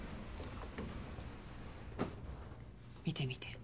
見て見て。